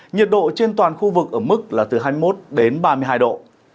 nhiệt độ trên toàn khu vực ở mức là từ hai mươi một đến ba mươi hai độ